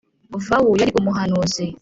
Vawu yari umuhanuzi